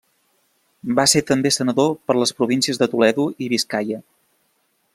Va ser també senador per les províncies de Toledo i Biscaia.